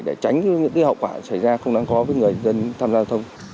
để tránh những hậu quả xảy ra không đáng có với người dân tham gia giao thông